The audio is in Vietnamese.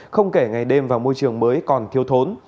không kể ngày đêm và môi trường mới còn thiêu thốn